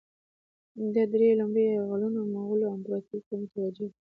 ده درې لومړني یرغلونه مغولو امپراطوري ته متوجه وه.